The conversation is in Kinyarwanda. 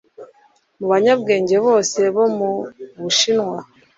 mu banyabwenge bose bo mu bushinwa,